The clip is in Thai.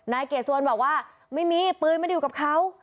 นายเกดสวนบอกว่าไม่มีปืนไม่ได้อยู่กับเขา